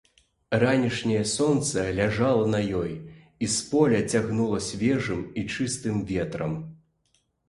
Ранішняе сонца ляжала на ёй, і з поля цягнула свежым і чыстым ветрам.